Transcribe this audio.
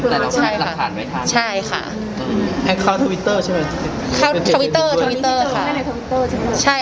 แล้วเขาข้าวทวิทเตอร์ใช่ไหม